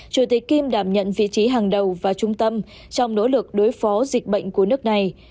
chủ tịch kim đảm nhận vị trí hàng đầu và trung tâm trong nỗ lực đối phó dịch bệnh của nước này